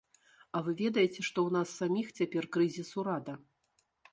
А вы ведаеце, што ў нас саміх цяпер крызіс ўрада.